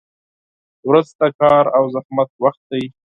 • ورځ د کار او زحمت وخت دی.